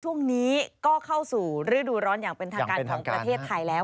ช่วงนี้ก็เข้าสู่ฤดูร้อนอย่างเป็นทางการของประเทศไทยแล้ว